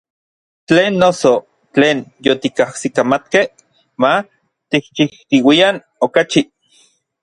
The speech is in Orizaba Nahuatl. Tlen noso, tlen yotikajsikamatkej, ma tikchijtiuian okachi.